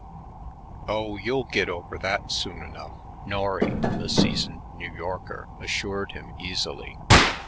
"Oh, you'll get over that soon enough," Norry, the seasoned New Yorker, assured him easily.